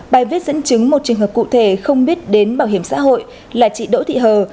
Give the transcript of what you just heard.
bài viết dẫn chứng một trường hợp cụ thể không biết đến bảo hiểm xã hội là chị đỗ thị hờ